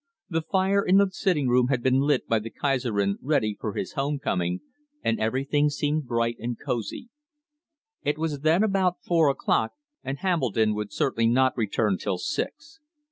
The fire in the sitting room had been lit by the "Kaiserin" ready for his home coming, and everything seemed bright and cosy. It was then about four o'clock, and Hambledon would certainly not return till six.